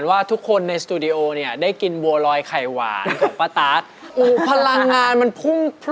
รู้ตัวเน้น